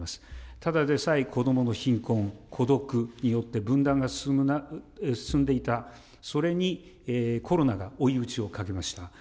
ただでさえ子どもの貧困、孤独によって分断が進んでいた、それにコロナが追い打ちをかけました。